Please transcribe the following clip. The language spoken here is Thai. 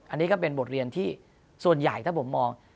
อันนี้ก็เป็นบทเรียนที่ส่วนใหญ่ถ้าผมมอง